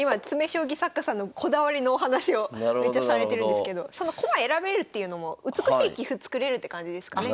将棋作家さんのこだわりのお話をめっちゃされてるんですけどその駒選べるっていうのも美しい棋譜作れるって感じですかね。